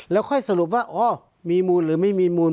แล้วค่อยสรุปว่าอ๋อมีมูลหรือไม่มีมูล